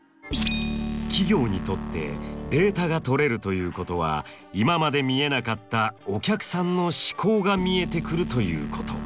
企業にとってデータが取れるということは今まで見えなかったお客さんの思考が見えてくるということ。